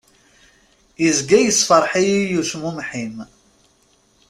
Izga yessefreḥ-iyi ucmumeḥ-im.